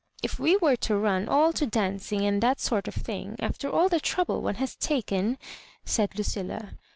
If we were 4» run all to dancing and that sort of thing, after all the trouble one has taken— *" said Lucilla.